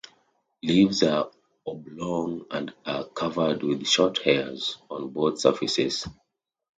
Leaves are oblong and are covered with short hairs on both surfaces.